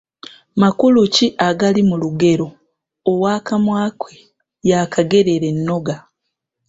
Makulu ki agali mu lugero ‘Ow’akamwa ke yakagerera ennoga'?